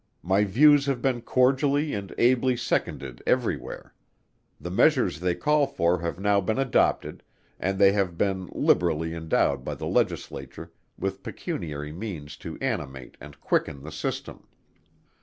My views have been cordially and ably seconded every where; the measures they called for have now been adopted; and they have been liberally endowed by the Legislature with pecuniary means to animate and quicken the system.